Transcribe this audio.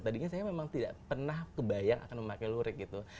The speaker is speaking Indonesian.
tadinya saya memang tidak pernah kebayang akan memakai lurik gitu